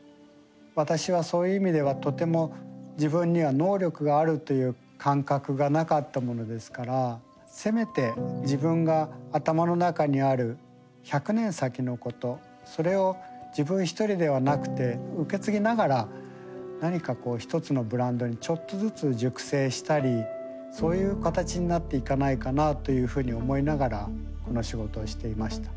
私はそういう意味ではとても自分には能力があるという感覚がなかったものですからせめて自分が頭の中にある１００年先のことそれを自分一人ではなくて受け継ぎながら何かこう一つのブランドにちょっとずつ熟成したりそういう形になっていかないかなというふうに思いながらこの仕事をしていました。